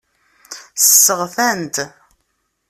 Sseɣtan-t.